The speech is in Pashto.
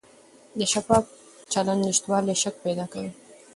د شفاف چلند نشتوالی شک پیدا کوي